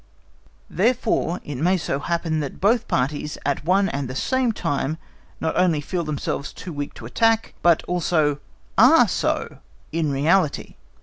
Therefore it may so happen that both parties, at one and the same time, not only feel themselves too weak to attack, but also are so in reality.